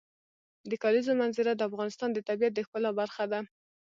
د کلیزو منظره د افغانستان د طبیعت د ښکلا برخه ده.